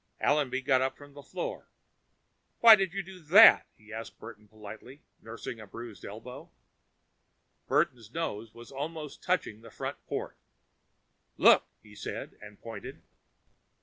Allenby got up from the floor. "Why did you do that?" he asked Burton politely, nursing a bruised elbow. Burton's nose was almost touching the front port. "Look!" he said, and pointed.